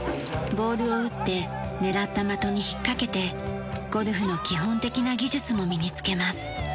ボールを打って狙った的に引っかけてゴルフの基本的な技術も身につけます。